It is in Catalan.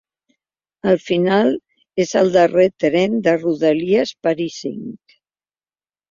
Al final és el darrer tren de rodalies parisenc.